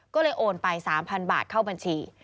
ก็เลยโอนไป๓๐๐๐บาทเข้าบัญชี